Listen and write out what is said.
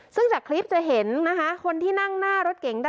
ซึ่งจากคลิปจะเห็นนะคะคนที่นั่งหน้ารถเก๋งด้าน